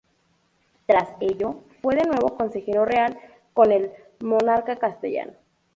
Tras ello, fue de nuevo consejero real con el monarca castellano.